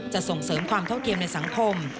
ส่งเสริมความเท่าเทียมในสังคม